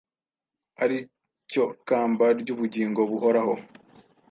ari cyo kamba ry’ubugingo buhoraho.